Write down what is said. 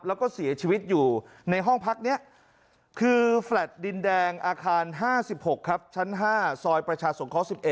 แล้วก็เสียชีวิตอยู่ในห้องพักนี้คือแฟลต์ดินแดงอาคาร๕๖ครับชั้น๕ซอยประชาสงเคราะห์๑๑